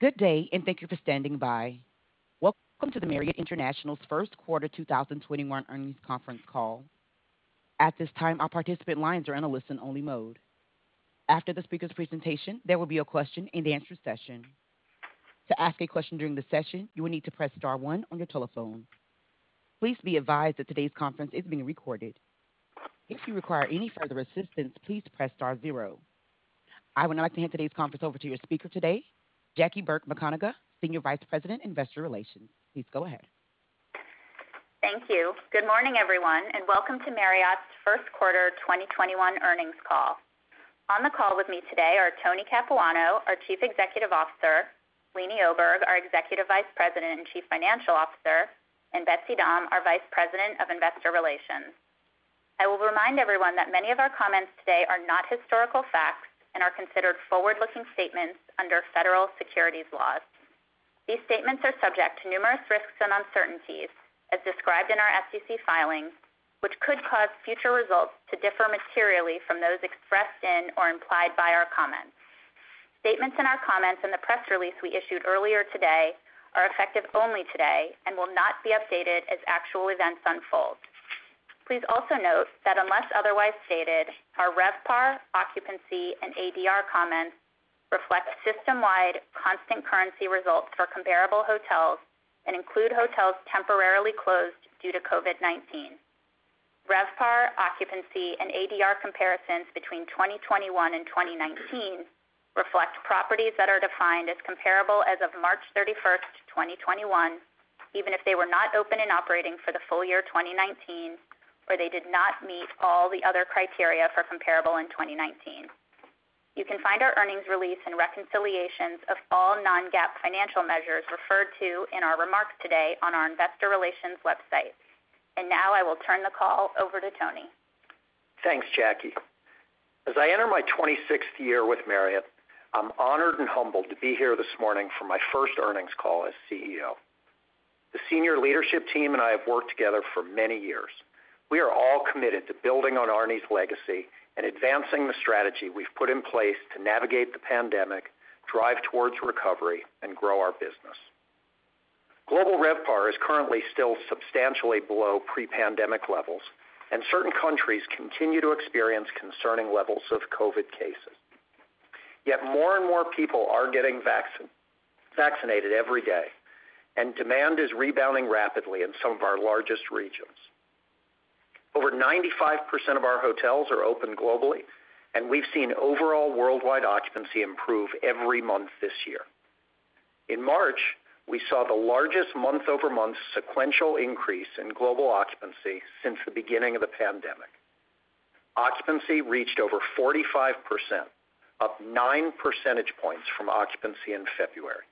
Good day and thank you for standing by. Welcome to Marriott's International First Quarter 2021 Earnings Conference Call. At this time all participants lines are on a listen-only mode. After the speakers' presentation there will a question-and-answer session. To ask a question during the session you will need to press star one on your telephone. Please be advised that today's conference is being recorded. If you require any further assistance please press star zero. I would now like to hand today's conference over to your speaker today, Jackie Burka McConagha, Senior Vice President, Investor Relations. Please go ahead. Thank you. Good morning, everyone, and welcome to Marriott's first quarter 2021 earnings call. On the call with me today are Tony Capuano, our Chief Executive Officer, Leeny Oberg, our Executive Vice President and Chief Financial Officer, and Betsy Dahm, our Vice President of Investor Relations. I will remind everyone that many of our comments today are not historical facts and are considered forward-looking statements under federal securities laws. These statements are subject to numerous risks and uncertainties, as described in our SEC filings, which could cause future results to differ materially from those expressed in or implied by our comments. Statements in our comments and the press release we issued earlier today are effective only today and will not be updated as actual events unfold. Please also note that unless otherwise stated, our RevPAR, occupancy, and ADR comments reflect system-wide constant currency results for comparable hotels and include hotels temporarily closed due to COVID-19. RevPAR, occupancy, and ADR comparisons between 2021 and 2019 reflect properties that are defined as comparable as of March 31st, 2021, even if they were not open and operating for the full year 2019, or they did not meet all the other criteria for comparable in 2019. You can find our earnings release and reconciliations of all non-GAAP financial measures referred to in our remarks today on our investor relations website. Now I will turn the call over to Tony. Thanks, Jackie. As I enter my 26th year with Marriott, I'm honored and humbled to be here this morning for my first earnings call as CEO. The senior leadership team and I have worked together for many years. We are all committed to building on Arne's legacy and advancing the strategy we've put in place to navigate the pandemic, drive towards recovery, and grow our business. Global RevPAR is currently still substantially below pre-pandemic levels, and certain countries continue to experience concerning levels of COVID cases. More and more people are getting vaccinated every day, and demand is rebounding rapidly in some of our largest regions. Over 95% of our hotels are open globally, and we've seen overall worldwide occupancy improve every month this year. In March, we saw the largest month-over-month sequential increase in global occupancy since the beginning of the pandemic. Occupancy reached over 45%, up nine percentage points from occupancy in February.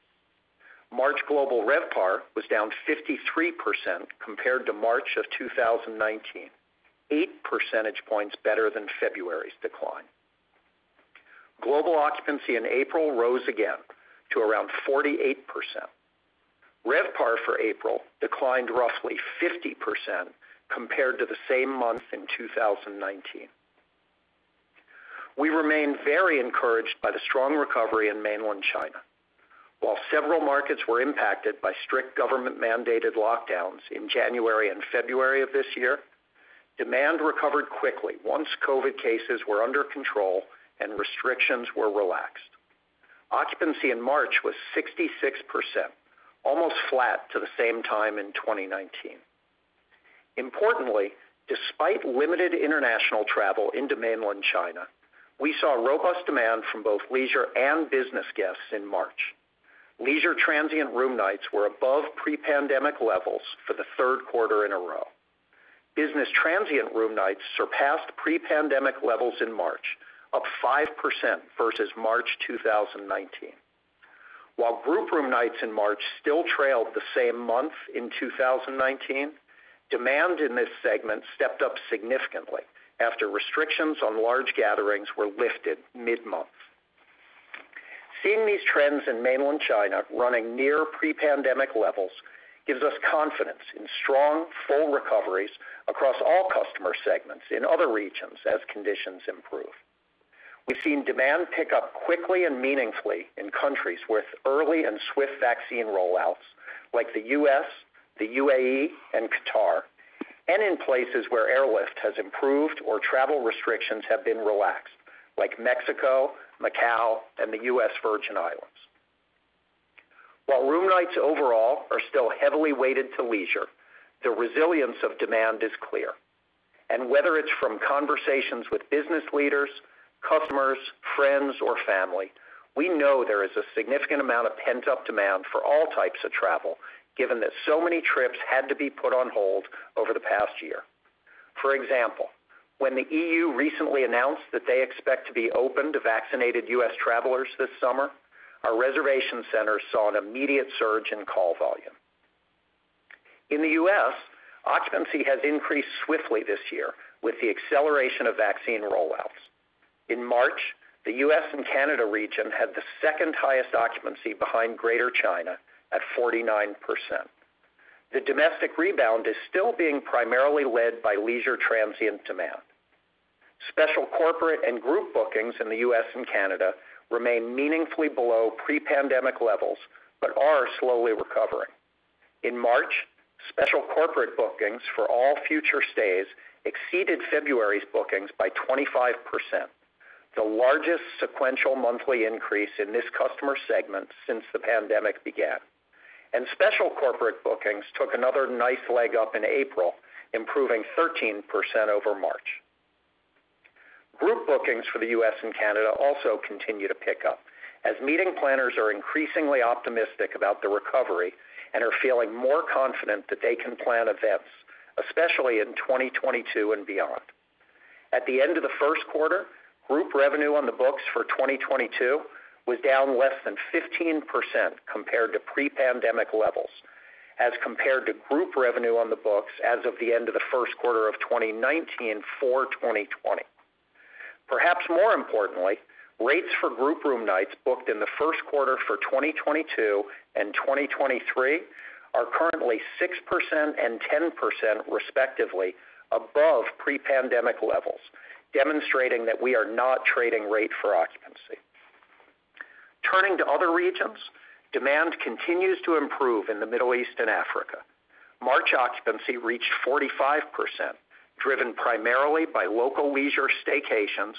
March global RevPAR was down 53% compared to March of 2019, eight percentage points better than February's decline. Global occupancy in April rose again to around 48%. RevPAR for April declined roughly 50% compared to the same month in 2019. We remain very encouraged by the strong recovery in Mainland China. While several markets were impacted by strict government-mandated lockdowns in January and February of this year, demand recovered quickly once COVID cases were under control and restrictions were relaxed. Occupancy in March was 66%, almost flat to the same time in 2019. Importantly, despite limited international travel into Mainland China, we saw robust demand from both leisure and business guests in March. Leisure transient room nights were above pre-pandemic levels for the third quarter in a row. Business transient room nights surpassed pre-pandemic levels in March, up 5% versus March 2019. While group room nights in March still trailed the same month in 2019, demand in this segment stepped up significantly after restrictions on large gatherings were lifted mid-month. Seeing these trends in mainland China running near pre-pandemic levels gives us confidence in strong, full recoveries across all customer segments in other regions as conditions improve. We've seen demand pick up quickly and meaningfully in countries with early and swift vaccine rollouts, like the U.S., the UAE, and Qatar, and in places where airlift has improved or travel restrictions have been relaxed, like Mexico, Macau, and the U.S. Virgin Islands. While room nights overall are still heavily weighted to leisure, the resilience of demand is clear. Whether it's from conversations with business leaders, customers, friends, or family, we know there is a significant amount of pent-up demand for all types of travel, given that so many trips had to be put on hold over the past year. For example, when the E.U. recently announced that they expect to be open to vaccinated U.S. travelers this summer, our reservation center saw an immediate surge in call volume. In the U.S., occupancy has increased swiftly this year with the acceleration of vaccine rollouts. In March, the U.S. and Canada region had the second highest occupancy behind Greater China, at 49%. The domestic rebound is still being primarily led by leisure transient demand. Special corporate and group bookings in the U.S. and Canada remain meaningfully below pre-pandemic levels, but are slowly recovering. In March, special corporate bookings for all future stays exceeded February's bookings by 25%, the largest sequential monthly increase in this customer segment since the pandemic began. Special corporate bookings took another nice leg up in April, improving 13% over March. Group bookings for the U.S. and Canada also continue to pick up, as meeting planners are increasingly optimistic about the recovery and are feeling more confident that they can plan events, especially in 2022 and beyond. At the end of the first quarter, group revenue on the books for 2022 was down less than 15% compared to pre-pandemic levels as compared to group revenue on the books as of the end of the first quarter of 2019 for 2020. Perhaps more importantly, rates for group room nights booked in the first quarter for 2022 and 2023 are currently 6% and 10% respectively above pre-pandemic levels, demonstrating that we are not trading rate for occupancy. Turning to other regions, demand continues to improve in the Middle East and Africa. March occupancy reached 45%, driven primarily by local leisure staycations,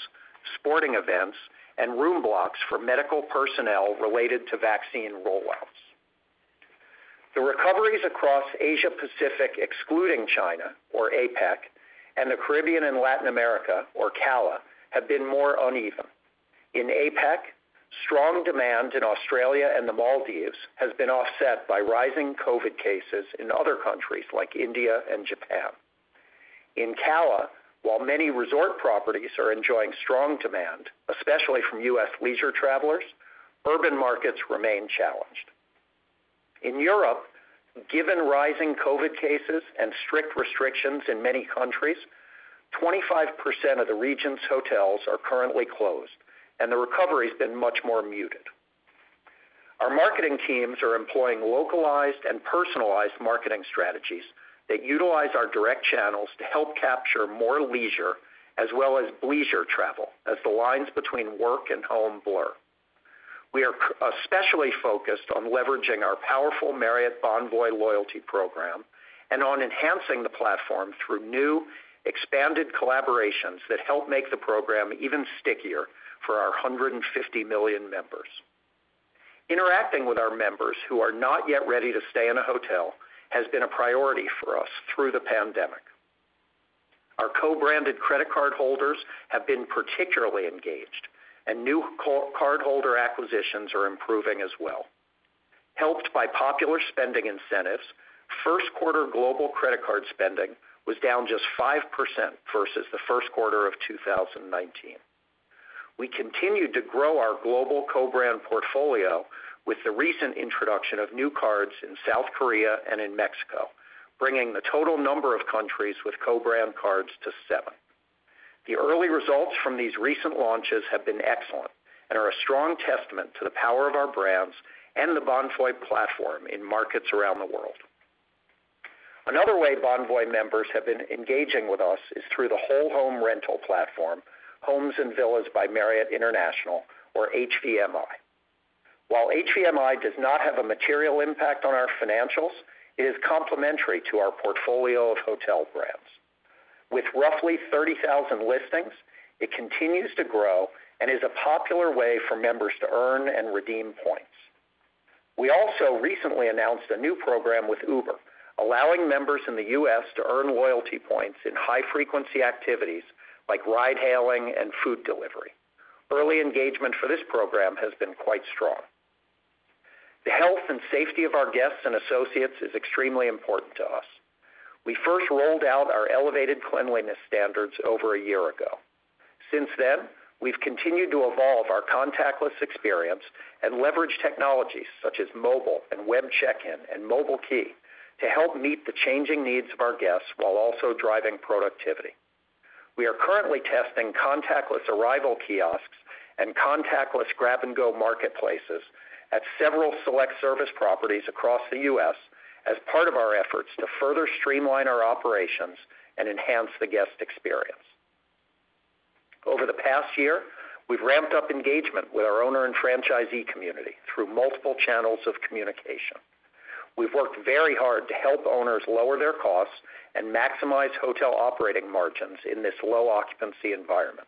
sporting events, and room blocks for medical personnel related to vaccine roll-outs. The recoveries across Asia Pacific, excluding China, or APAC, and the Caribbean and Latin America, or CALA, have been more uneven. In APAC, strong demand in Australia and the Maldives has been offset by rising COVID-19 cases in other countries like India and Japan. In CALA, while many resort properties are enjoying strong demand, especially from U.S. leisure travelers, urban markets remain challenged. In Europe, given rising COVID cases and strict restrictions in many countries, 25% of the region's hotels are currently closed, and the recovery has been much more muted. Our marketing teams are employing localized and personalized marketing strategies that utilize our direct channels to help capture more leisure as well as bleisure travel as the lines between work and home blur. We are especially focused on leveraging our powerful Marriott Bonvoy loyalty program and on enhancing the platform through new expanded collaborations that help make the program even stickier for our 150 million members. Interacting with our members who are not yet ready to stay in a hotel has been a priority for us through the pandemic. Our co-branded credit card holders have been particularly engaged, and new cardholder acquisitions are improving as well. Helped by popular spending incentives, first quarter global credit card spending was down just 5% versus the first quarter of 2019. We continued to grow our global co-brand portfolio with the recent introduction of new cards in South Korea and in Mexico, bringing the total number of countries with co-brand cards to seven. The early results from these recent launches have been excellent and are a strong testament to the power of our brands and the Bonvoy platform in markets around the world. Another way Bonvoy members have been engaging with us is through the whole home rental platform, Homes & Villas by Marriott International, or HVMI. While HVMI does not have a material impact on our financials, it is complementary to our portfolio of hotel brands. With roughly 30,000 listings, it continues to grow and is a popular way for members to earn and redeem points. We also recently announced a new program with Uber, allowing members in the U.S. to earn loyalty points in high-frequency activities like ride hailing and food delivery. Early engagement for this program has been quite strong. The health and safety of our guests and associates is extremely important to us. We first rolled out our elevated cleanliness standards over a year ago. Since then, we've continued to evolve our contactless experience and leverage technologies such as mobile and web check-in and mobile key to help meet the changing needs of our guests while also driving productivity. We are currently testing contactless arrival kiosks and contactless grab-and-go marketplaces at several select service properties across the U.S. as part of our efforts to further streamline our operations and enhance the guest experience. Over the past year, we've ramped up engagement with our owner and franchisee community through multiple channels of communication. We've worked very hard to help owners lower their costs and maximize hotel operating margins in this low occupancy environment.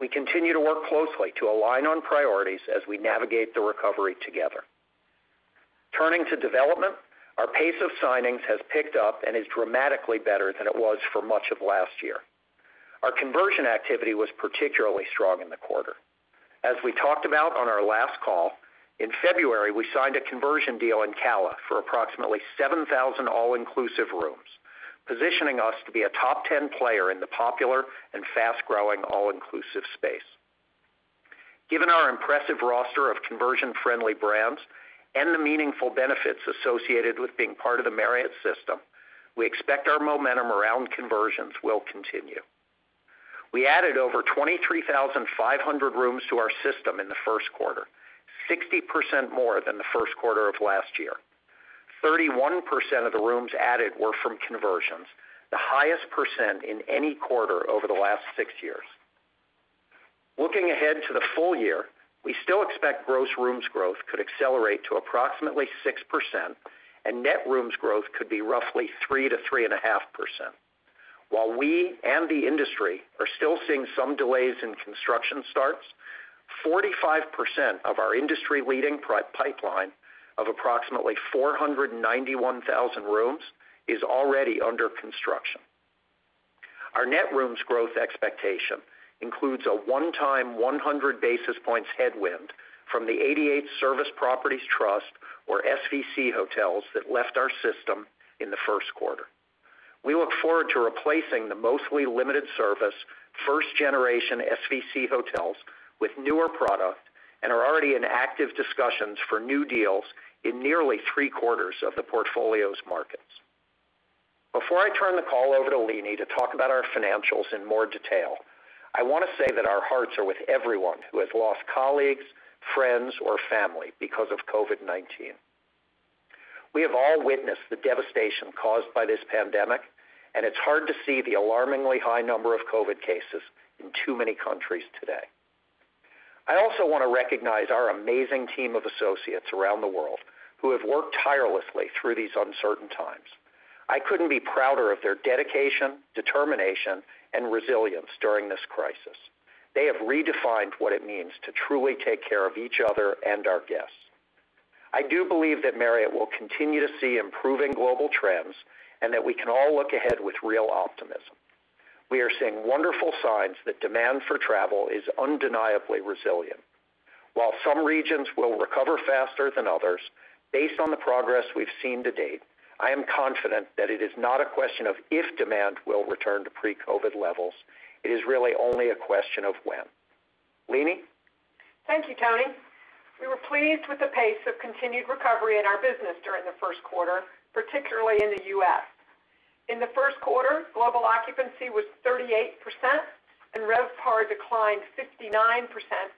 We continue to work closely to align on priorities as we navigate the recovery together. Turning to development, our pace of signings has picked up and is dramatically better than it was for much of last year. Our conversion activity was particularly strong in the quarter. As we talked about on our last call, in February, we signed a conversion deal in CALA for approximately 7,000 all-inclusive rooms, positioning us to be a top 10 player in the popular and fast-growing all-inclusive space. Given our impressive roster of conversion-friendly brands and the meaningful benefits associated with being part of the Marriott system, we expect our momentum around conversions will continue. We added over 23,500 rooms to our system in the first quarter, 60% more than the first quarter of last year. 31% of the rooms added were from conversions, the highest percent in any quarter over the last six years. Looking ahead to the full year, we still expect gross rooms growth could accelerate to approximately 6%, and net rooms growth could be roughly 3%-3.5%. While we and the industry are still seeing some delays in construction starts, 45% of our industry-leading pipeline of approximately 491,000 rooms is already under construction. Our net rooms growth expectation includes a one-time 100 basis points headwind from the 88 Service Properties Trust, or SVC hotels, that left our system in the first quarter. We look forward to replacing the mostly limited service, first-generation SVC hotels with newer product and are already in active discussions for new deals in nearly three-quarters of the portfolio's markets. Before I turn the call over to Leeny to talk about our financials in more detail, I want to say that our hearts are with everyone who has lost colleagues, friends, or family because of COVID-19. We have all witnessed the devastation caused by this pandemic, and it's hard to see the alarmingly high number of COVID cases in too many countries today. I also want to recognize our amazing team of associates around the world who have worked tirelessly through these uncertain times. I couldn't be prouder of their dedication, determination, and resilience during this crisis. They have redefined what it means to truly take care of each other and our guests. I do believe that Marriott will continue to see improving global trends, and that we can all look ahead with real optimism. We are seeing wonderful signs that demand for travel is undeniably resilient. While some regions will recover faster than others, based on the progress we've seen to date, I am confident that it is not a question of if demand will return to pre-COVID levels. It is really only a question of when. Leeny? Thank you, Tony. We were pleased with the pace of continued recovery in our business during the first quarter, particularly in the U.S. In the first quarter, global occupancy was 38%, and RevPAR declined 59%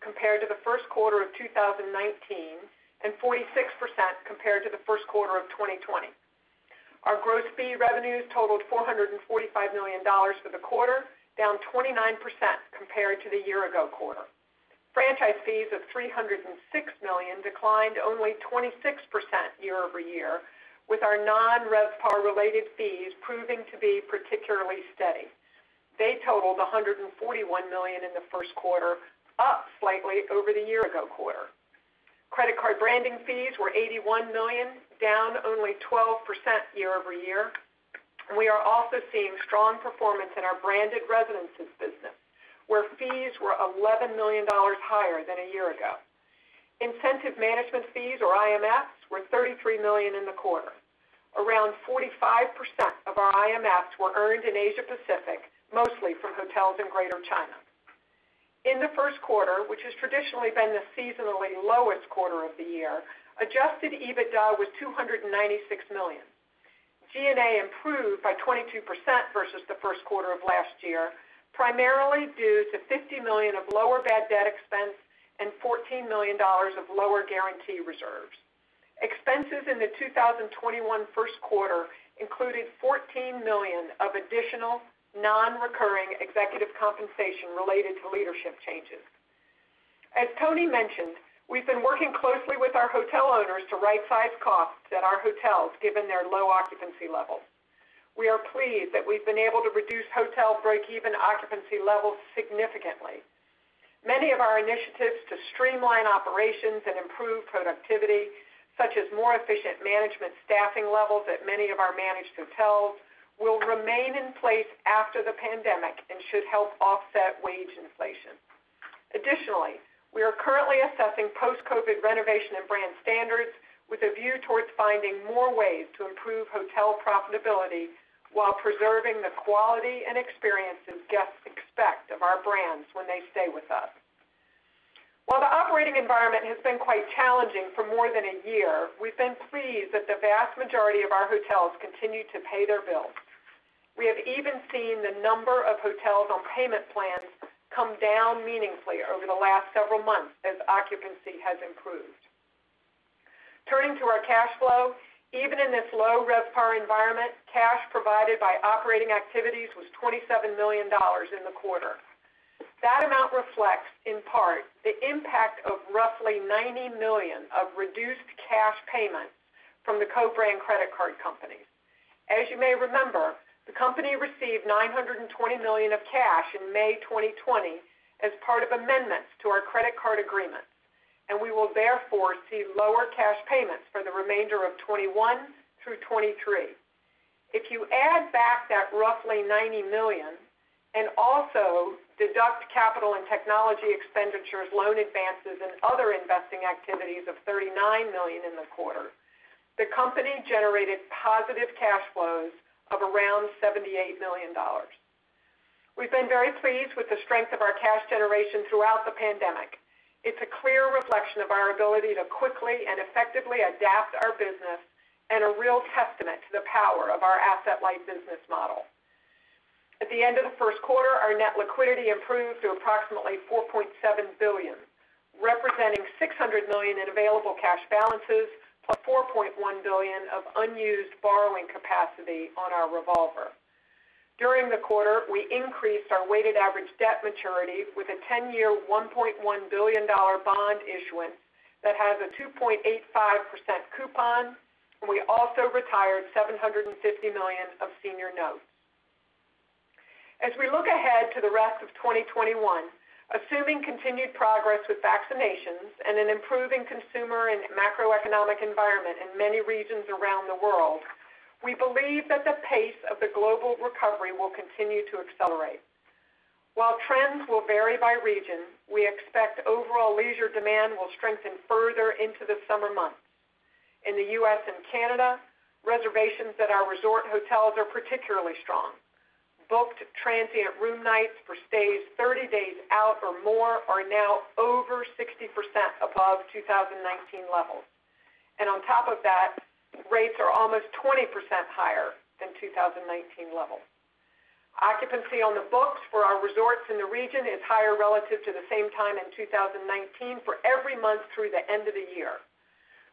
compared to the first quarter of 2019, and 46% compared to the first quarter of 2020. Our gross fee revenues totaled $445 million for the quarter, down 29% compared to the year-ago quarter. Franchise fees of $306 million declined only 26% year-over-year, with our non-RevPAR related fees proving to be particularly steady. They totaled $141 million in the first quarter, up slightly over the year-ago quarter. Credit card branding fees were $81 million, down only 12% year-over-year. We are also seeing strong performance in our branded residences business, where fees were $11 million higher than a year ago. Incentive management fees, or IMFs, were $33 million in the quarter. Around 45% of our IMFs were earned in Asia Pacific, mostly from hotels in Greater China. In the first quarter, which has traditionally been the seasonally lowest quarter of the year, adjusted EBITDA was $296 million. G&A improved by 22% versus the first quarter of last year, primarily due to $50 million of lower bad debt expense and $14 million of lower guarantee reserves. Expenses in the 2021 first quarter included $14 million of additional non-recurring executive compensation related to leadership changes. As Tony mentioned, we've been working closely with our hotel owners to rightsize costs at our hotels, given their low occupancy levels. We are pleased that we've been able to reduce hotel break-even occupancy levels significantly. Many of our initiatives to streamline operations and improve productivity, such as more efficient management staffing levels at many of our managed hotels, will remain in place after the pandemic and should help offset wage inflation. Additionally, we are currently assessing post-COVID renovation and brand standards with a view towards finding more ways to improve hotel profitability while preserving the quality and experiences guests expect of our brands when they stay with us. While the operating environment has been quite challenging for more than a year, we've been pleased that the vast majority of our hotels continue to pay their bills. We have even seen the number of hotels on payment plans come down meaningfully over the last several months as occupancy has improved. Turning to our cash flow, even in this low RevPAR environment, cash provided by operating activities was $27 million in the quarter. That amount reflects, in part, the impact of roughly $90 million of reduced cash payments from the co-branded credit card companies. As you may remember, the company received $920 million of cash in May 2020 as part of amendments to our credit card agreements, and we will therefore see lower cash payments for the remainder of 2021 through 2023. If you add back that roughly $90 million and also deduct capital and technology expenditures, loan advances, and other investing activities of $39 million in the quarter, the company generated positive cash flows of around $78 million. We've been very pleased with the strength of our cash generation throughout the pandemic. It's a clear reflection of our ability to quickly and effectively adapt our business and a real testament to the power of our asset-light business model. At the end of the first quarter, our net liquidity improved to approximately $4.7 billion, representing $600 million in available cash balances, $+4.1 billion of unused borrowing capacity on our revolver. During the quarter, we increased our weighted average debt maturity with a 10-year $1.1 billion bond issuance that has a 2.85% coupon, and we also retired $750 million of senior notes. As we look ahead to the rest of 2021, assuming continued progress with vaccinations and an improving consumer and macroeconomic environment in many regions around the world, we believe that the pace of the global recovery will continue to accelerate. While trends will vary by region, we expect overall leisure demand will strengthen further into the summer months. In the U.S. and Canada, reservations at our resort hotels are particularly strong. Booked transient room nights for stays 30 days out or more are now over 60% above 2019 levels. On top of that, rates are almost 20% higher than 2019 levels. Occupancy on the books for our resorts in the region is higher relative to the same time in 2019 for every month through the end of the year.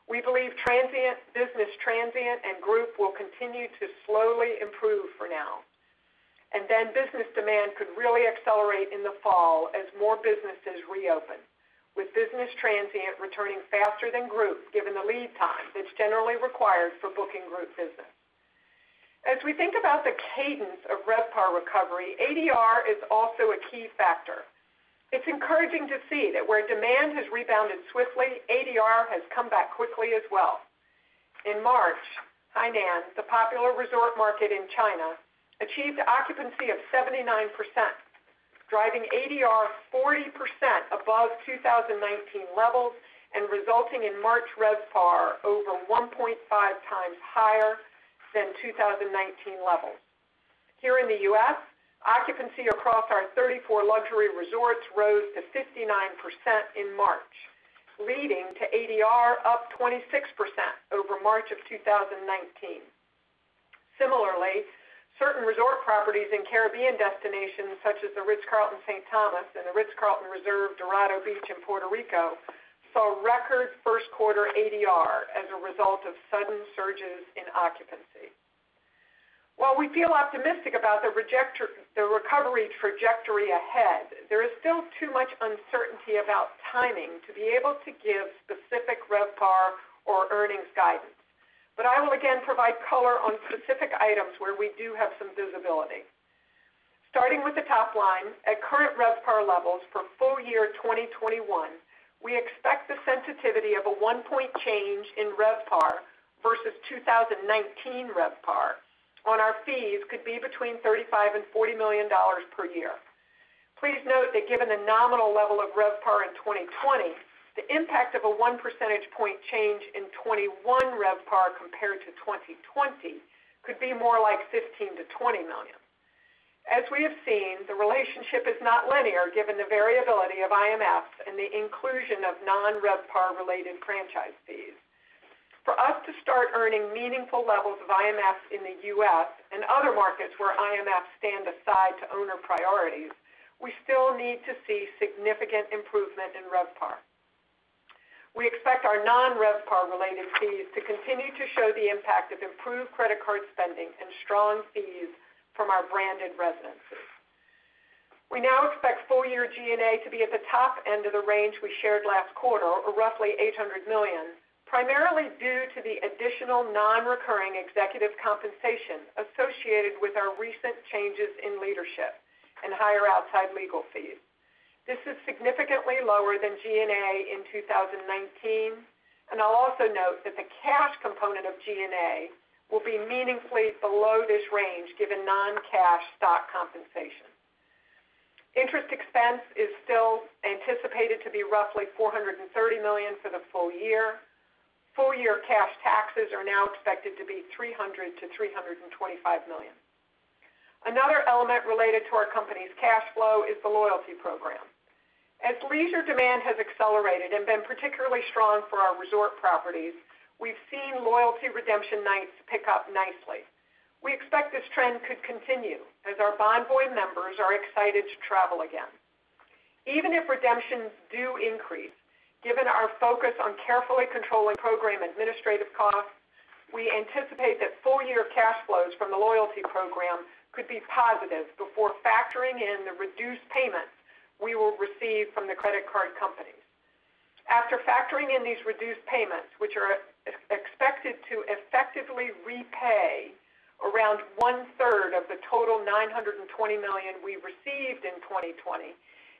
We believe business transient and group will continue to slowly improve for now. Business demand could really accelerate in the fall as more businesses reopen, with business transient returning faster than group given the lead time that's generally required for booking group business. As we think about the cadence of RevPAR recovery, ADR is also a key factor. It's encouraging to see that where demand has rebounded swiftly, ADR has come back quickly as well. In March, Hainan, the popular resort market in China, achieved occupancy of 79%, driving ADR 40% above 2019 levels and resulting in March RevPAR over 1.5x higher than 2019 levels. Here in the U.S., occupancy across our 34 luxury resorts rose to 59% in March, leading to ADR up 26% over March of 2019. Similarly, certain resort properties in Caribbean destinations such as The Ritz-Carlton, St. Thomas and Dorado Beach, a Ritz-Carlton Reserve in Puerto Rico, saw record first quarter ADR as a result of sudden surges in occupancy. While we feel optimistic about the recovery trajectory ahead, there is still too much uncertainty about timing to be able to give specific RevPAR or earnings guidance. I will again provide color on specific items where we do have some visibility. Starting with the top line, at current RevPAR levels for full year 2021, we expect the sensitivity of a one point change in RevPAR versus 2019 RevPAR on our fees could be between $35 million-$40 million per year. Please note that given the nominal level of RevPAR in 2020, the impact of a one percentage point change in 2021 RevPAR compared to 2020 could be more like $15 million-$20 million. As we have seen, the relationship is not linear given the variability of IMFs and the inclusion of non-RevPAR related franchise fees. For us to start earning meaningful levels of IMFs in the U.S. and other markets where IMFs stand aside to owner priorities, we still need to see significant improvement in RevPAR. We expect our non-RevPAR related fees to continue to show the impact of improved credit card spending and strong fees from our branded residences. We now expect full year G&A to be at the top end of the range we shared last quarter, or roughly $800 million, primarily due to the additional non-recurring executive compensation associated with our recent changes in leadership and higher outside legal fees. This is significantly lower than G&A in 2019, and I'll also note that the cash component of G&A will be meaningfully below this range given non-cash stock compensation. Interest expense is still anticipated to be roughly $430 million for the full-year. Full-year cash taxes are now expected to be $300 million-$325 million. Another element related to our company's cash flow is the loyalty program. As leisure demand has accelerated and been particularly strong for our resort properties, we've seen loyalty redemption nights pick up nicely. We expect this trend could continue as our Bonvoy members are excited to travel again. Even if redemptions do increase, given our focus on carefully controlling program administrative costs, we anticipate that full-year cash flows from the loyalty program could be positive before factoring in the reduced payments we will receive from the credit card companies. After factoring in these reduced payments, which are expected to effectively repay around one third of the total $920 million we received in 2020,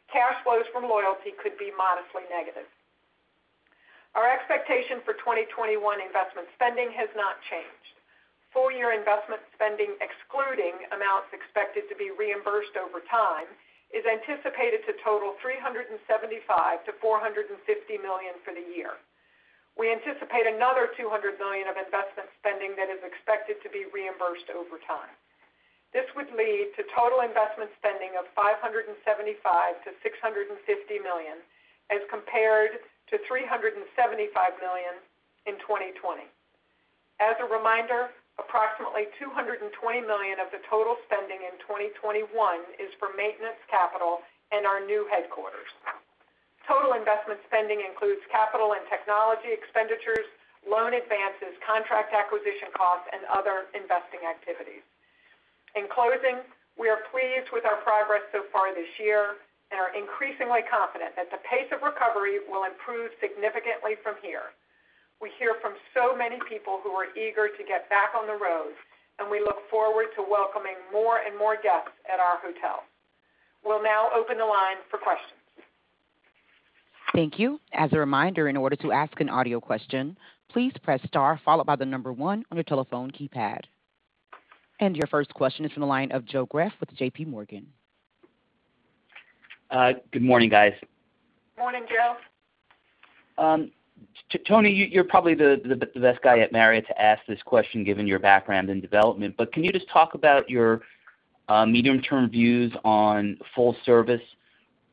cash flows from loyalty could be modestly negative. Our expectation for 2021 investment spending has not changed. Full year investment spending, excluding amounts expected to be reimbursed over time, is anticipated to total $375 million-$450 million for the year. We anticipate another $200 million of investment spending that is expected to be reimbursed over time. This would lead to total investment spending of $575 million-$650 million as compared to $375 million in 2020. As a reminder, approximately $220 million of the total spending in 2021 is for maintenance capital and our new headquarters. Total investment spending includes capital and technology expenditures, loan advances, contract acquisition costs, and other investing activities. In closing, we are pleased with our progress so far this year and are increasingly confident that the pace of recovery will improve significantly from here. We hear from so many people who are eager to get back on the road, and we look forward to welcoming more and more guests at our hotels. We'll now open the line for questions. Thank you. As a reminder, in order to ask an audio question, please press star followed by the number one on your telephone keypad. Your first question is from the line of Joseph Greff with JPMorgan. Good morning, guys. Morning, Joe. Tony, you're probably the best guy at Marriott to ask this question, given your background in development. Can you just talk about your medium-term views on full-service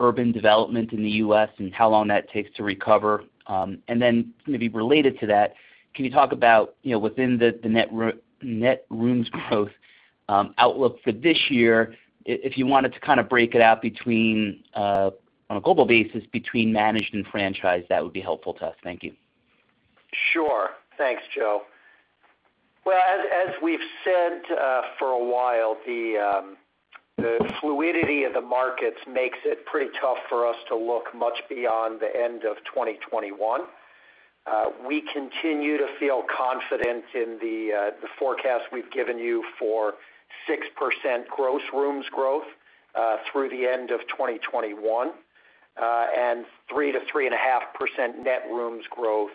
urban development in the U.S., and how long that takes to recover? Then maybe related to that, can you talk about within the net rooms growth outlook for this year, if you wanted to break it out on a global basis between managed and franchise, that would be helpful to us. Thank you. Sure. Thanks, Joe. Well, as we've said for a while, the fluidity of the markets makes it pretty tough for us to look much beyond the end of 2021. We continue to feel confident in the forecast we've given you for 6% gross rooms growth through the end of 2021, and 3%-3.5% net rooms growth,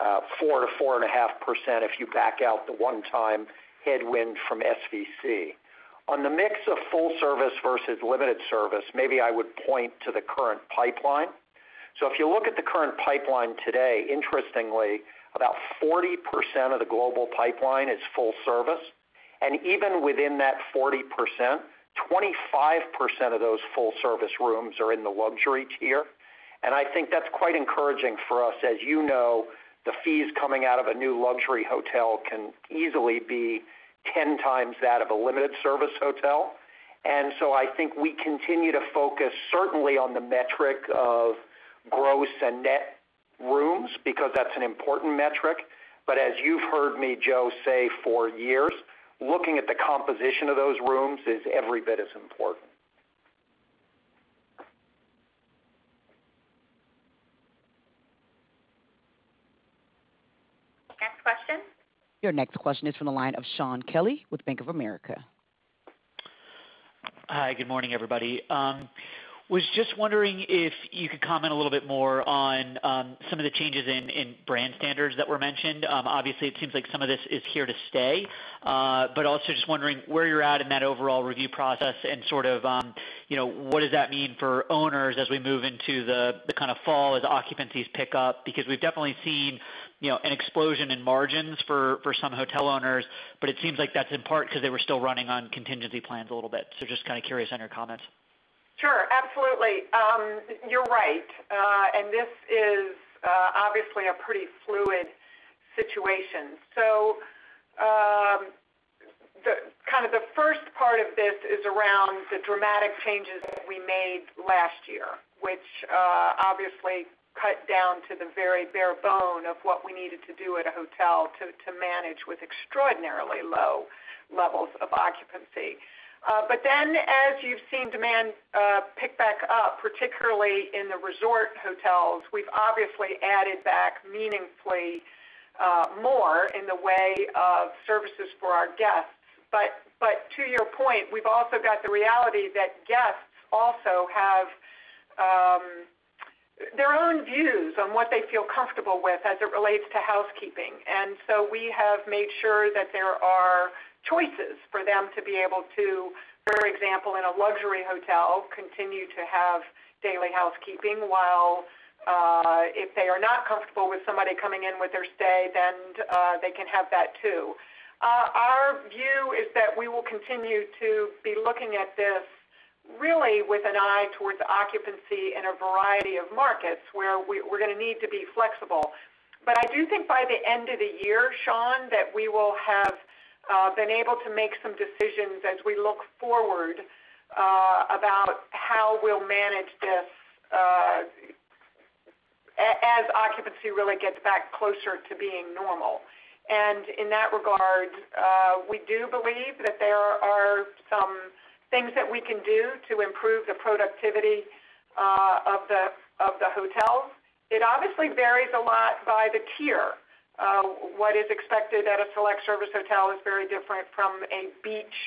4%-4.5% if you back out the one-time headwind from SVC. On the mix of full service versus limited service, maybe I would point to the current pipeline. If you look at the current pipeline today, interestingly, about 40% of the global pipeline is full service. Even within that 40%, 25% of those full-service rooms are in the luxury tier. I think that's quite encouraging for us. As you know, the fees coming out of a new luxury hotel can easily be 10 times that of a limited service hotel. I think we continue to focus certainly on the metric of gross and net rooms, because that's an important metric. As you've heard me, Joe, say for years, looking at the composition of those rooms is every bit as important. Next question. Your next question is from the line of Shaun Kelley with Bank of America. Hi, good morning, everybody. I was just wondering if you could comment a little bit more on some of the changes in brand standards that were mentioned? Obviously, it seems like some of this is here to stay. I was also just wondering where you're at in that overall review process and what does that mean for owners as we move into the fall as occupancies pick up? We've definitely seen an explosion in margins for some hotel owners, but it seems like that's in part because they were still running on contingency plans a little bit. I am just kind of curious on your comments. Sure. Absolutely. You're right. This is obviously a pretty fluid situation. The first part of this is around the dramatic changes that we made last year, which obviously cut down to the very bare bone of what we needed to do at a hotel to manage with extraordinarily low levels of occupancy. As you've seen demand pick back up, particularly in the resort hotels, we've obviously added back meaningfully more in the way of services for our guests. To your point, we've also got the reality that guests also have their own views on what they feel comfortable with as it relates to housekeeping. We have made sure that there are choices for them to be able to, for example, in a luxury hotel, continue to have daily housekeeping, while if they are not comfortable with somebody coming in with their stay, then they can have that too. Our view is that we will continue to be looking at this really with an eye towards occupancy in a variety of markets where we're going to need to be flexible. I do think by the end of the year, Shaun, that we will have been able to make some decisions as we look forward about how we'll manage this as occupancy really gets back closer to being normal. In that regard, we do believe that there are some things that we can do to improve the productivity of the hotels. It obviously varies a lot by the tier. What is expected at a select service hotel is very different from a beach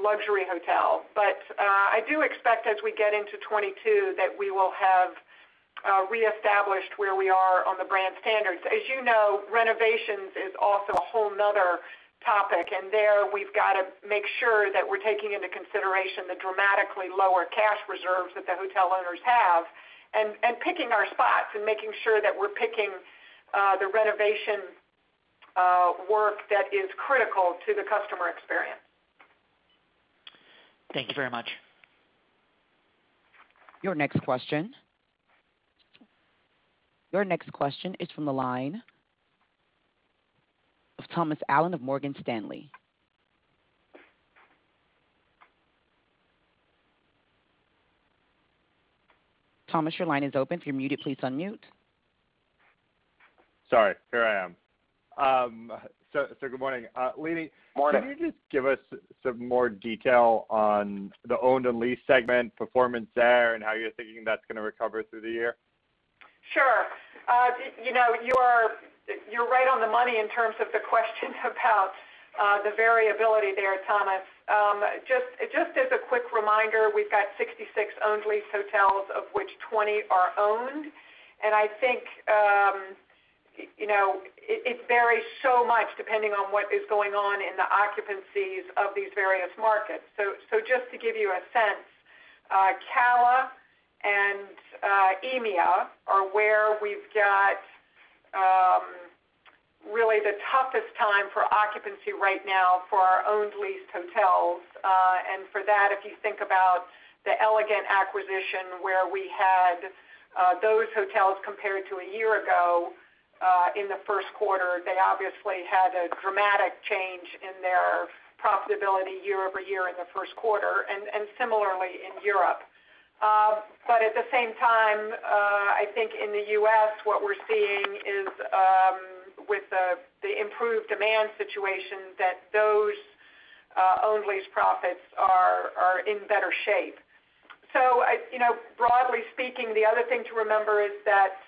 luxury hotel. I do expect as we get into 2022, that we will have reestablished where we are on the brand standards. As you know, renovations is also a whole another topic. There we've got to make sure that we're taking into consideration the dramatically lower cash reserves that the hotel owners have, picking our spots and making sure that we're picking the renovation work that is critical to the customer experience. Thank you very much. Your next question is from the line of Thomas Allen of Morgan Stanley. Thomas, your line is open. If you're muted, please unmute. Sorry. Here I am. Good morning. Morning. Leeny, can you just give us some more detail on the owned and leased segment performance there and how you're thinking that's going to recover through the year? Sure. You're right on the money in terms of the question about the variability there, Thomas. Just as a quick reminder, we've got 66 owned lease hotels, of which 20 are owned. I think it varies so much depending on what is going on in the occupancies of these various markets. Just to give you a sense, CALA and EMEA are where we've got really the toughest time for occupancy right now for our owned leased hotels. For that, if you think about the Elegant acquisition where we had those hotels compared to a year ago in the first quarter, they obviously had a dramatic change in their profitability year-over-year in the first quarter, and similarly in Europe. At the same time, I think in the U.S., what we're seeing is with the improved demand situation, that those owned lease profits are in better shape. Broadly speaking, the other thing to remember is that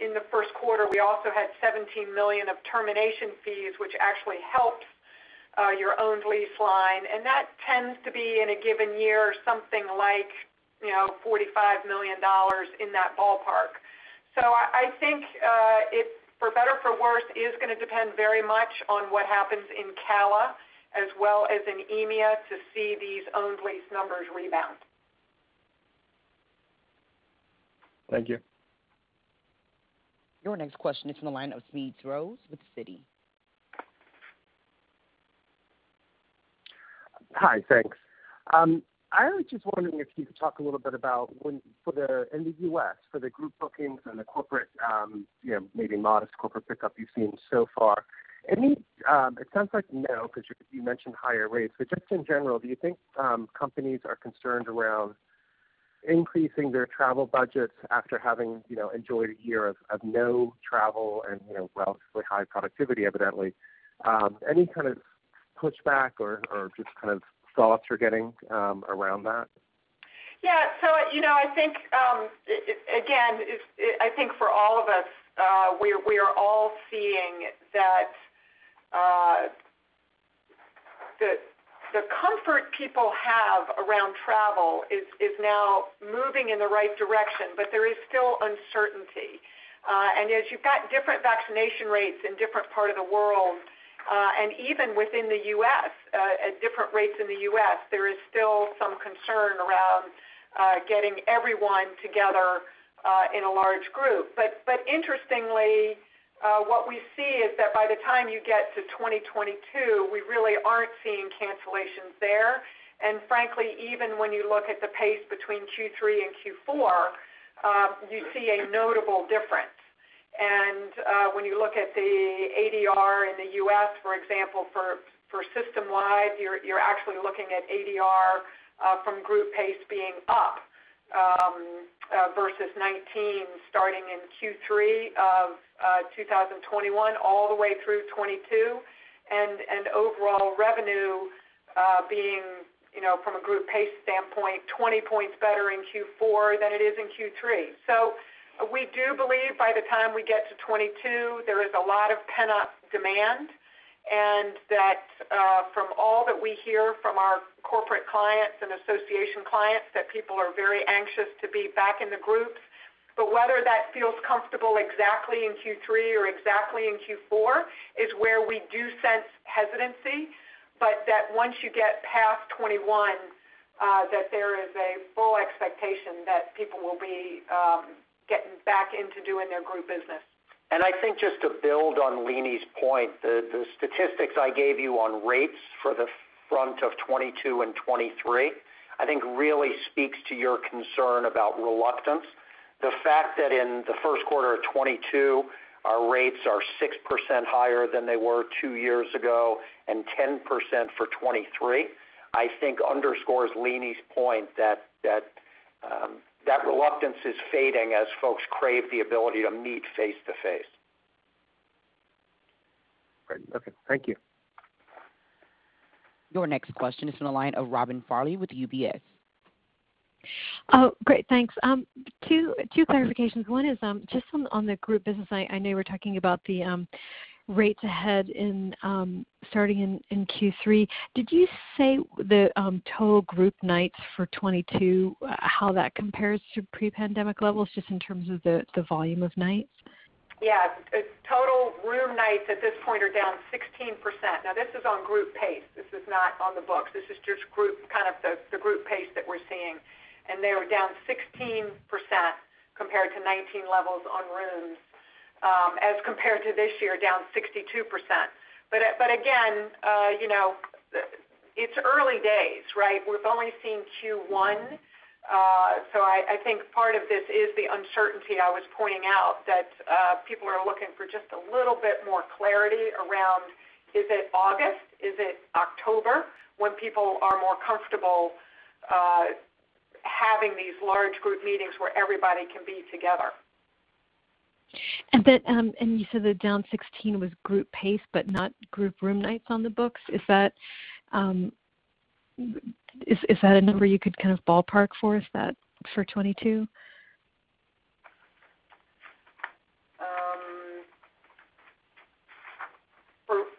in the first quarter, we also had $17 million of termination fees, which actually helped your owned lease line, and that tends to be in a given year something like $45 million in that ballpark. I think, for better or for worse, it is going to depend very much on what happens in CALA as well as in EMEA to see these owned lease numbers rebound. Thank you. Your next question is in the line of Smedes Rose with Citi. Hi. Thanks. I was just wondering if you could talk a little bit about in the U.S., for the group bookings and the corporate, maybe modest corporate pickup you've seen so far. It sounds like no, because you mentioned higher rates, but just in general, do you think companies are concerned around increasing their travel budgets after having enjoyed a year of no travel and relatively high productivity, evidently? Any kind of pushback or just kind of thoughts you're getting around that? I think, again, I think for all of us, we are all seeing that the comfort people have around travel is now moving in the right direction, but there is still uncertainty. As you've got different vaccination rates in different part of the world, and even within the U.S., at different rates in the U.S., there is still some concern around getting everyone together in a large group. Interestingly, what we see is that by the time you get to 2022, we really aren't seeing cancellations there. Frankly, even when you look at the pace between Q3 and Q4, you see a notable difference. When you look at the ADR in the U.S., for example, for system-wide, you're actually looking at ADR from group pace being up versus 2019, starting in Q3 of 2021, all the way through 2022, and overall revenue being, from a group pace standpoint, 20 points better in Q4 than it is in Q3. We do believe by the time we get to 2022, there is a lot of pent-up demand, and that from all that we hear from our corporate clients and association clients, that people are very anxious to be back in the groups. Whether that feels comfortable exactly in Q3 or exactly in Q4 is where we do sense hesitancy. That once you get past 2021, that there is a full expectation that people will be getting back into doing their group business. I think just to build on Leeny's point, the statistics I gave you on rates for the front of 2022 and 2023, I think really speaks to your concern about reluctance. The fact that in the first quarter of 2022, our rates are 6% higher than they were two years ago and 10% for 2023, I think underscores Leeny's point that reluctance is fading as folks crave the ability to meet face-to-face. Great. Okay. Thank you. Your next question is in the line of Robin Farley with UBS. Oh, great. Thanks. Two clarifications. One is just on the group business, I know we're talking about the rates ahead starting in Q3. Did you say the total group nights for 2022, how that compares to pre-pandemic levels, just in terms of the volume of nights? Yeah. Total room nights at this point are down 16%. This is on group pace. This is not on the books. This is just kind of the group pace that we're seeing, and they are down 16%. Compared to 2019 levels on rooms as compared to this year, down 62%. Again, it's early days, right? We've only seen Q1. I think part of this is the uncertainty I was pointing out that people are looking for just a little bit more clarity around is it August, is it October, when people are more comfortable having these large group meetings where everybody can be together? You said that down 16 was group pace, but not group room nights on the books. Is that a number you could ballpark for us for 2022?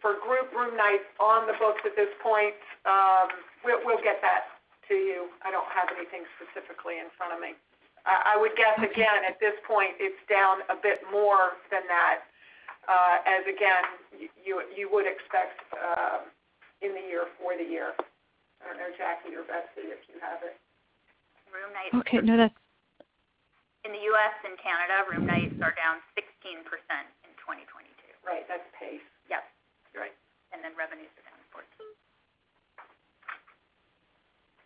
For group room nights on the books at this point, we'll get that to you. I don't have anything specifically in front of me. I would guess, again, at this point, it's down a bit more than that. As again, you would expect in the year for the year. I don't know, Jackie, or Betsy, if you have it. Okay, no. In the U.S. and Canada, room nights are down 16% in 2022. Right. That's pace. Yep, that's right. Revenues are down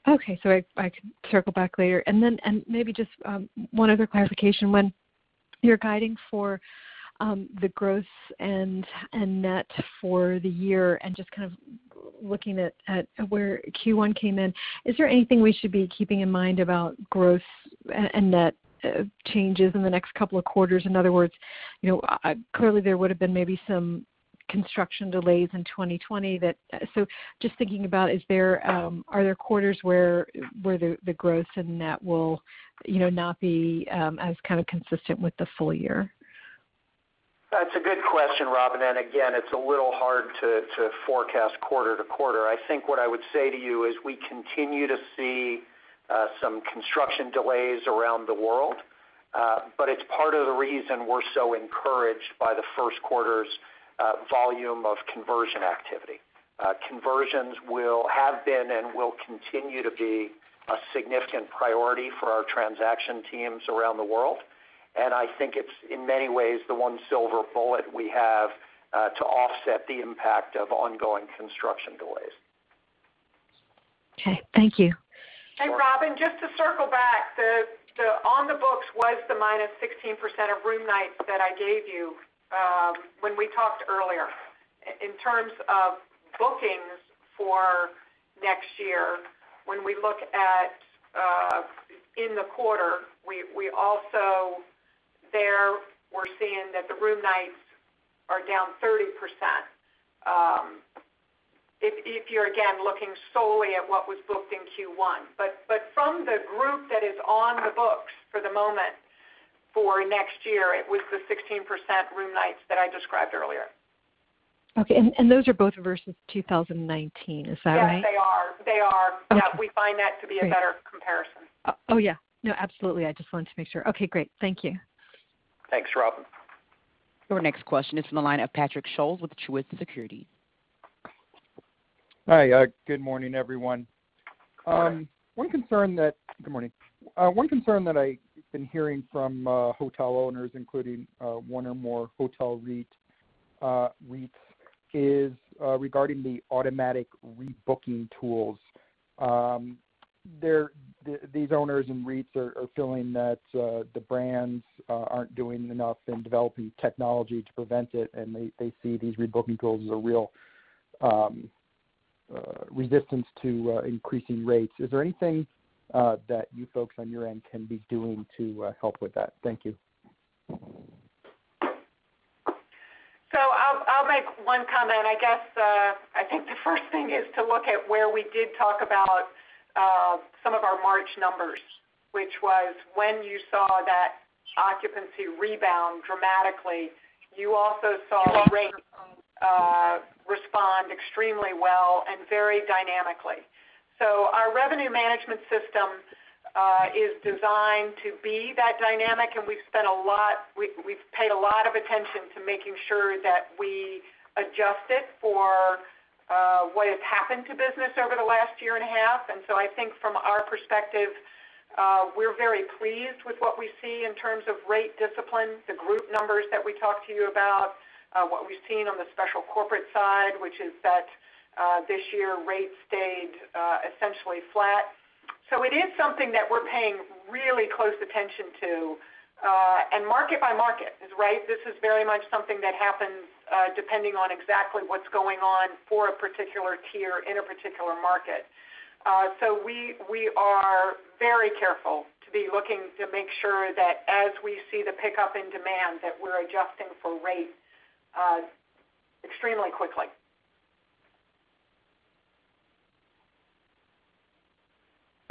14%. Okay. I can circle back later. Maybe just one other clarification. When you're guiding for the gross and net for the year, and just looking at where Q1 came in, is there anything we should be keeping in mind about gross and net changes in the next couple of quarters? In other words, clearly, there would have been maybe some construction delays in 2020. Just thinking about, are there quarters where the gross and net will not be as consistent with the full year? That's a good question, Robin. Again, it's a little hard to forecast quarter to quarter. I think what I would say to you is we continue to see some construction delays around the world. It's part of the reason we're so encouraged by the first quarter's volume of conversion activity. Conversions have been and will continue to be a significant priority for our transaction teams around the world. I think it's, in many ways, the one silver bullet we have to offset the impact of ongoing construction delays. Okay, thank you. Robin, just to circle back, the on the books was the -16% of room nights that I gave you when we talked earlier. In terms of bookings for next year, when we look at in the quarter, we also there, we're seeing that the room nights are down 30%. If you're, again, looking solely at what was booked in Q1. From the group that is on the books for the moment for next year, it was the 16% room nights that I described earlier. Okay. Those are both versus 2019, is that right? Yes, they are. We find that to be a better comparison. Oh, yeah. No, absolutely. I just wanted to make sure. Okay, great. Thank you. Thanks, Robin. Your next question is on the line of Patrick Scholes with Truist Securities. Hi. Good morning, everyone. Hi. Good morning. One concern that I've been hearing from hotel owners, including one or more hotel REITs, is regarding the automatic rebooking tools. These owners and REITs are feeling that the brands aren't doing enough in developing technology to prevent it, and they see these rebooking tools as a real resistance to increasing rates. Is there anything that you folks on your end can be doing to help with that? Thank you. I'll make one comment. I guess, I think the first thing is to look at where we did talk about some of our March numbers, which was when you saw that occupancy rebound dramatically, you also saw rates respond extremely well and very dynamically. Our revenue management system is designed to be that dynamic, and we've paid a lot of attention to making sure that we adjust it for what has happened to business over the last year and a half. I think from our perspective, we're very pleased with what we see in terms of rate discipline, the group numbers that we talked to you about, what we've seen on the special corporate side, which is that this year rates stayed essentially flat. It is something that we're paying really close attention to. Market by market, right? This is very much something that happens depending on exactly what's going on for a particular tier in a particular market. We are very careful to be looking to make sure that as we see the pickup in demand, that we're adjusting for rates extremely quickly.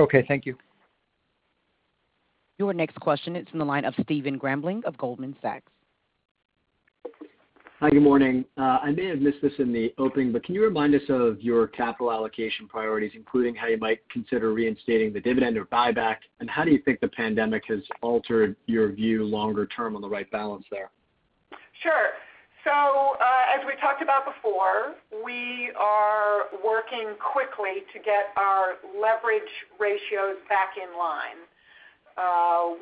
Okay, thank you. Your next question is on the line of Stephen Grambling of Goldman Sachs. Hi, good morning. I may have missed this in the opening, but can you remind us of your capital allocation priorities, including how you might consider reinstating the dividend or buyback? How do you think the pandemic has altered your view longer term on the right balance there? Sure. As we talked about before, we are working quickly to get our leverage ratios back in line.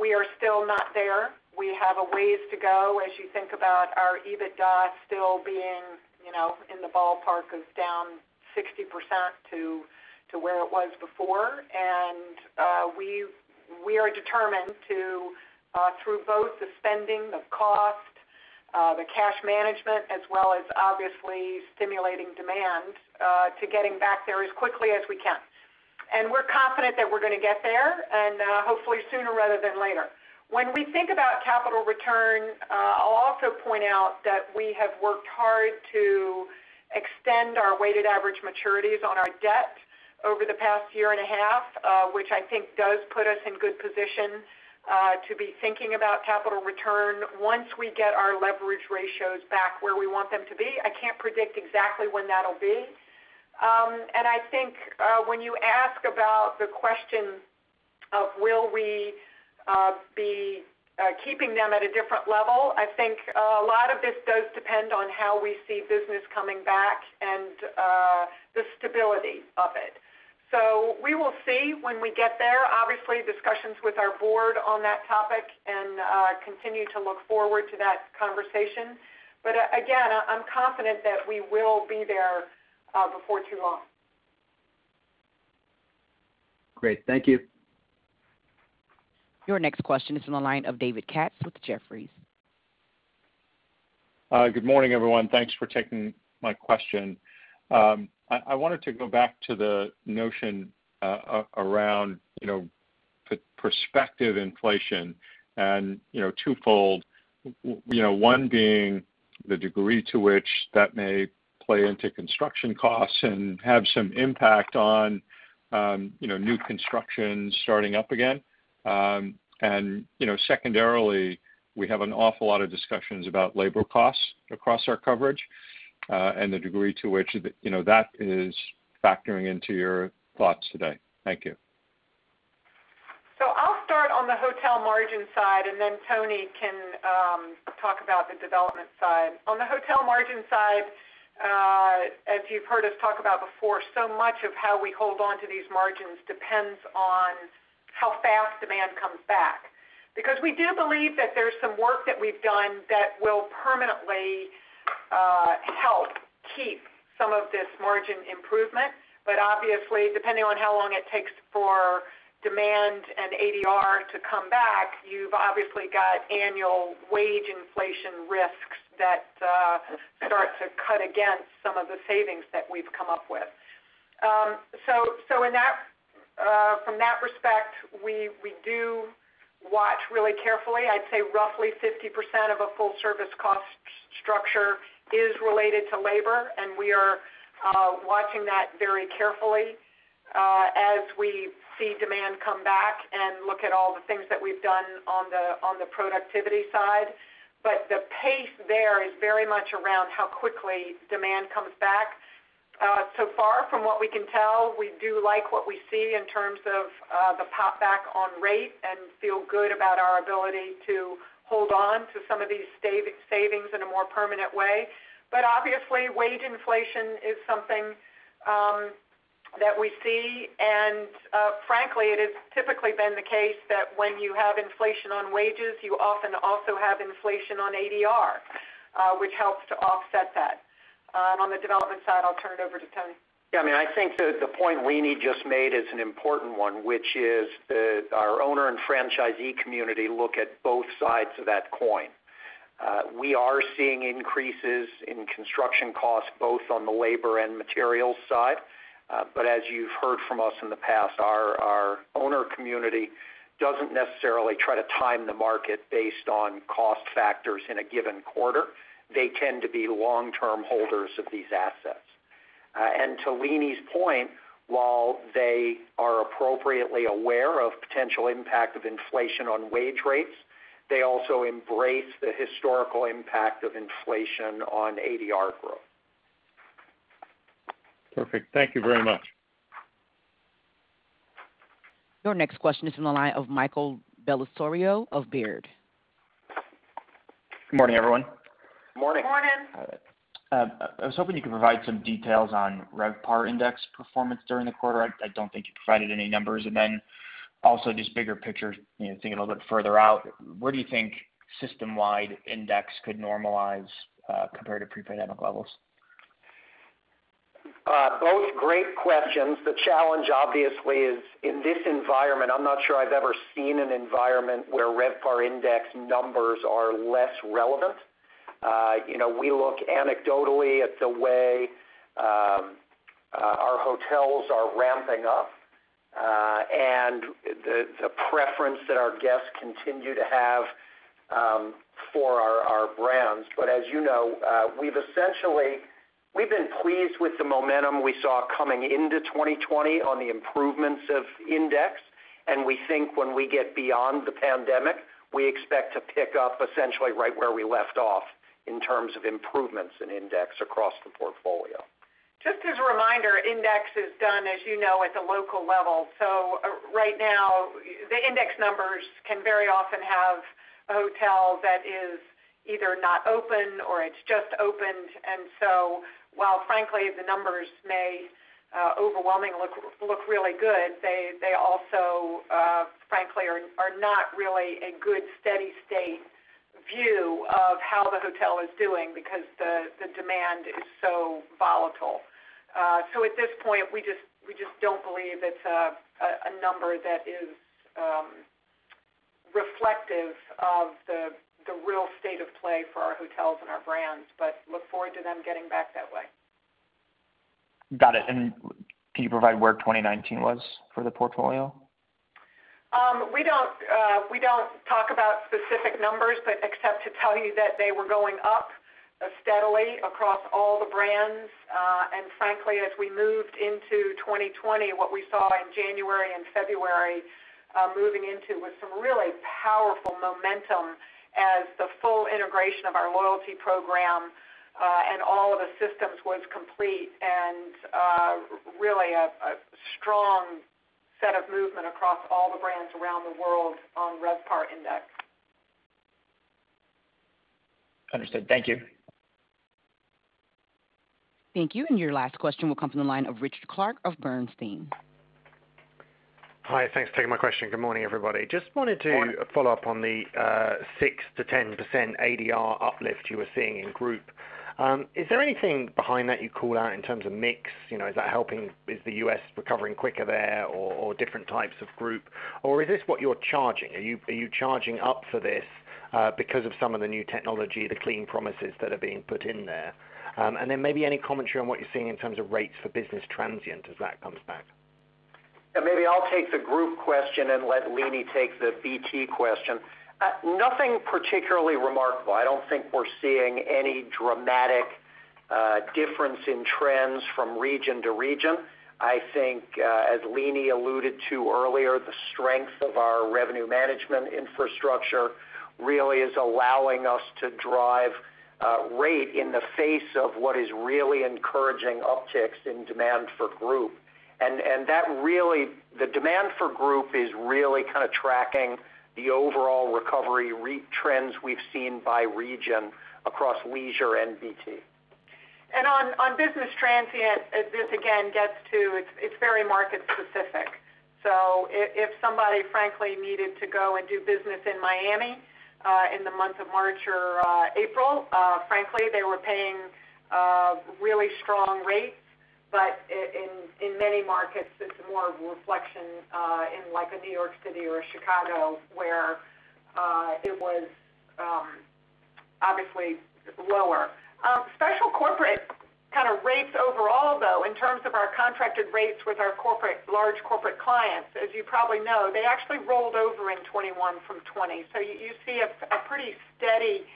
We are still not there. We have a ways to go, as you think about our EBITDA still being in the ballpark of down 60% to where it was before. We are determined to, through both the spending, the cost, the cash management, as well as obviously stimulating demand, to getting back there as quickly as we can. We're confident that we're going to get there, and hopefully sooner rather than later. When we think about capital return, I'll also point out that we have worked hard to extend our weighted average maturities on our debt over the past year and a half, which I think does put us in good position to be thinking about capital return once we get our leverage ratios back where we want them to be. I can't predict exactly when that'll be. I think when you ask about the question of will we be keeping them at a different level, I think a lot of this does depend on how we see business coming back and the stability of it. We will see when we get there, obviously discussions with our board on that topic and continue to look forward to that conversation. Again, I'm confident that we will be there before too long. Great. Thank you. Your next question is on the line of David Katz with Jefferies. Good morning, everyone. Thanks for taking my question. I wanted to go back to the notion around prospective inflation and twofold. One being the degree to which that may play into construction costs and have some impact on new construction starting up again. Secondarily, we have an awful lot of discussions about labor costs across our coverage, and the degree to which that is factoring into your thoughts today. Thank you. I'll start on the hotel margin side, and then Tony can talk about the development side. On the hotel margin side, as you've heard us talk about before, so much of how we hold onto these margins depends on how fast demand comes back. We do believe that there's some work that we've done that will permanently help keep some of this margin improvement, but obviously, depending on how long it takes for demand and ADR to come back, you've obviously got annual wage inflation risks that start to cut against some of the savings that we've come up with. From that respect, we do watch really carefully. I'd say roughly 50% of a full-service cost structure is related to labor, and we are watching that very carefully as we see demand come back and look at all the things that we've done on the productivity side. The pace there is very much around how quickly demand comes back. Far from what we can tell, we do like what we see in terms of the pop back on rate and feel good about our ability to hold on to some of these savings in a more permanent way. Obviously, wage inflation is something that we see, and frankly, it has typically been the case that when you have inflation on wages, you often also have inflation on ADR, which helps to offset that. On the development side, I'll turn it over to Tony. Yeah, I think the point Leeny just made is an important one, which is our owner and franchisee community look at both sides of that coin. We are seeing increases in construction costs both on the labor and materials side. As you've heard from us in the past, our owner community doesn't necessarily try to time the market based on cost factors in a given quarter. They tend to be long-term holders of these assets. To Leeny's point, while they are appropriately aware of potential impact of inflation on wage rates, they also embrace the historical impact of inflation on ADR growth. Perfect. Thank you very much. Your next question is on the line of Michael Bellisario of Baird. Good morning, everyone. Morning. Morning. I was hoping you could provide some details on RevPAR index performance during the quarter. I don't think you provided any numbers. Then also just bigger picture, thinking a little bit further out, where do you think system-wide index could normalize compared to pre-pandemic levels? Both great questions. The challenge obviously is in this environment, I'm not sure I've ever seen an environment where RevPAR index numbers are less relevant. We look anecdotally at the way our hotels are ramping up, and the preference that our guests continue to have for our brands. As you know, we've been pleased with the momentum we saw coming into 2020 on the improvements of index, and we think when we get beyond the pandemic, we expect to pick up essentially right where we left off in terms of improvements in index across the portfolio. Just as a reminder, index is done, as you know, at the local level. Right now, the index numbers can very often have a hotel that is either not open or it's just opened. While frankly, the numbers may overwhelmingly look really good, they also, frankly, are not really a good, steady state view of how the hotel is doing because the demand is so volatile. At this point, we just don't believe it's a number that is reflective of the real state of play for our hotels and our brands, but look forward to them getting back that way. Got it. Can you provide where 2019 was for the portfolio? We don't talk about specific numbers, but except to tell you that they were going up steadily across all the brands. Frankly, as we moved into 2020, what we saw in January and February moving into was some really powerful momentum as the full integration of our loyalty program, and all of the systems was complete, and really a strong set of movement across all the brands around the world on RevPAR index. Understood. Thank you. Thank you. Your last question will come from the line of Richard Clarke of Bernstein. Hi. Thanks for taking my question. Good morning, everybody. Morning. Follow up on the 6%-10% ADR uplift you were seeing in group. Is there anything behind that you'd call out in terms of mix? Is the U.S. recovering quicker there or different types of group? Or is this what you're charging? Are you charging up for this because of some of the new technology, the clean promises that are being put in there? Then maybe any commentary on what you're seeing in terms of rates for business transient as that comes back. Yeah, maybe I'll take the group question and let Leeny take the BT question. Nothing particularly remarkable. I don't think we're seeing any dramatic difference in trends from region to region. I think as Leeny alluded to earlier, the strength of our revenue management infrastructure really is allowing us to drive rate in the face of what is really encouraging upticks in demand for group. The demand for group is really kind of tracking the overall recovery trends we've seen by region across leisure and BT. On business transient, this again gets to, it's very market specific. If somebody frankly needed to go and do business in Miami, in the month of March or April, frankly, they were paying really strong rates. In many markets, it's more of a reflection in like a New York City or Chicago where it was obviously lower. Special corporate kind of rates overall, though, in terms of our contracted rates with our large corporate clients, as you probably know, they actually rolled over in 2021 from 2020. You see a pretty steady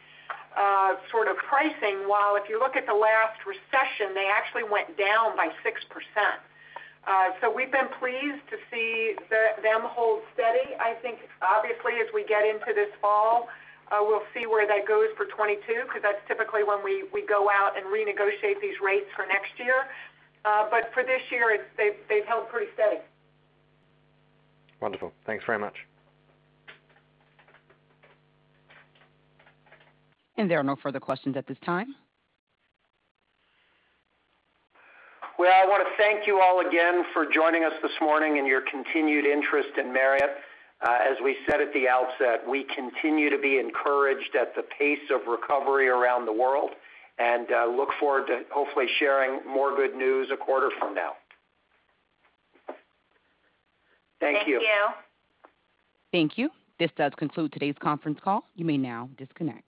sort of pricing, while if you look at the last recession, they actually went down by 6%. We've been pleased to see them hold steady. I think obviously, as we get into this fall, we'll see where that goes for 2022, because that's typically when we go out and renegotiate these rates for next year. For this year, they've held pretty steady. Wonderful. Thanks very much. There are no further questions at this time. Well, I want to thank you all again for joining us this morning and your continued interest in Marriott. As we said at the outset, we continue to be encouraged at the pace of recovery around the world, and look forward to hopefully sharing more good news a quarter from now. Thank you. Thank you. This does conclude today's conference call. You may now disconnect.